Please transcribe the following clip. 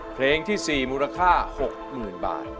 เพลงที่สี่มูลค่าหกหมื่นบาท